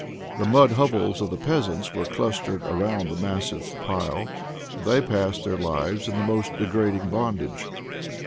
The mud hovels of the peasants were clustered around the massive pile; and they passed their lives in the most degrading bondage.